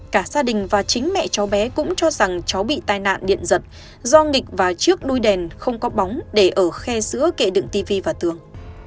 cả gia đình và chính mẹ cháu bé cũng cho rằng cháu bị tai nạn điện giật do nghịch và chiếc đuôi đèn không có bóng để ở khe sữa kệ đựng tv và tường